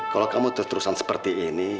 kalau kamu terus terusan seperti ini